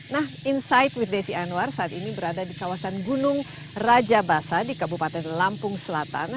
nah insight with desi anwar saat ini berada di kawasan gunung rajabasa di kabupaten lampung selatan